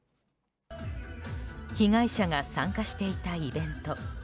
被害者が参加していたイベント。